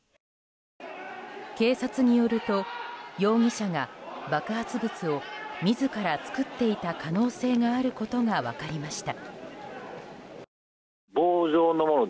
警察によると容疑者が爆発物を自ら作っていた可能性があることが分かりました。